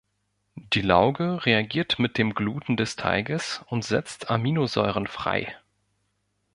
Die Lauge reagiert mit dem Gluten des Teiges und setzt Aminosäuren frei.